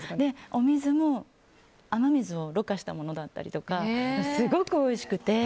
お水も雨水をろ過したものだったりとかすごくおいしくて。